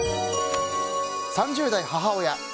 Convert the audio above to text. ３０代母親。